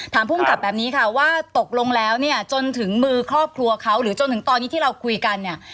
ภูมิกับแบบนี้ค่ะว่าตกลงแล้วเนี่ยจนถึงมือครอบครัวเขาหรือจนถึงตอนนี้ที่เราคุยกันเนี่ย